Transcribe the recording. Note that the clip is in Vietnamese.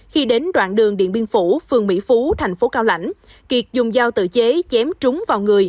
khi đến đoạn đường điện biên phủ phường mỹ phú thành phố cao lãnh kiệt dùng dao tự chế chém trúng vào người